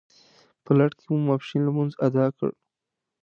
په لړ کې مو ماپښین لمونځ اداء کړ.